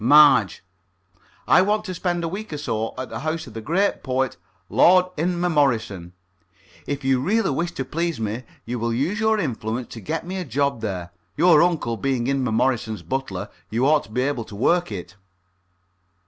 MARGE: I want to spend a week or so at the house of the great poet, Lord Inmemorison. If you really wish to please me, you will use your influence to get me a job there. Your uncle being Inmemorison's butler, you ought to be able to work it.